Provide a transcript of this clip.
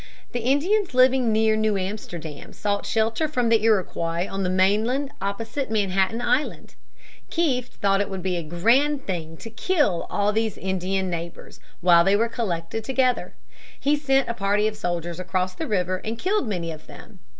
The Indians living near New Amsterdam sought shelter from the Iroquois on the mainland opposite Manhattan Island. Kieft thought it would be a grand thing to kill all these Indian neighbors while they were collected together. He sent a party of soldiers across the river and killed many of them.